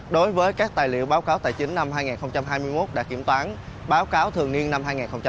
đối với các tài liệu báo cáo tài chính năm hai nghìn hai mươi một đã kiểm toán báo cáo thường niên năm hai nghìn hai mươi ba